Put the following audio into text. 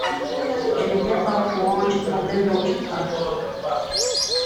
Je n'étais pas au courant du problème dont tu parles.